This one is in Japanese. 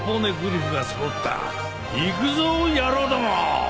行くぞ野郎ども！